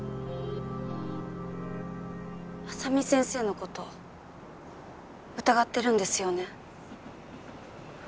浅海先生の事疑ってるんですよね？